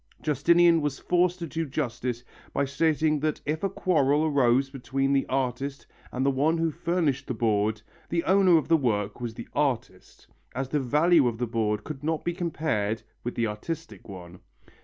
Justinian was forced to do justice by stating that if a quarrel arose between the artist and the one who furnished the board the owner of the work was the artist, as the value of the board could not be compared with the artistic one.